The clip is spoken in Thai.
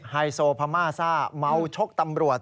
ไฮโซพม่าซ่าเมาชกตำรวจ